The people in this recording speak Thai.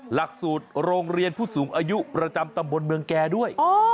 หลักสูตรโรงเรียนผู้สูงอายุประจำตำบลเมืองแก่ด้วย